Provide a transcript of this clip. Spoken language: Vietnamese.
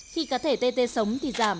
khi cá thể tê tê sống thì dễ dàng